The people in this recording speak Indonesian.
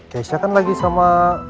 keisha kan lagi sama